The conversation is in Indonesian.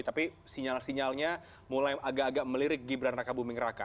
tapi sinyal sinyalnya mulai agak agak melirik gibran raka buming raka